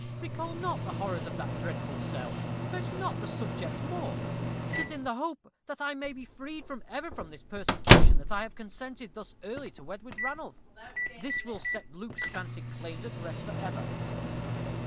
Recall not the horrors of that dreadful cell urge not the subject more. 'Tis in the hope that I may be freed for ever from this persecution that I have consented thus early to wed with Ranulph. This will set Luke's fancied claims at rest for ever."